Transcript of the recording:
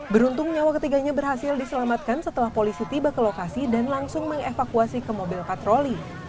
beruntung nyawa ketiganya berhasil diselamatkan setelah polisi tiba ke lokasi dan langsung mengevakuasi ke mobil patroli